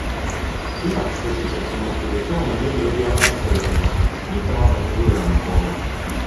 Lisaks tekitab see motivatsiooni neil erialadel töötada, mitte vaadata võõramaa poole.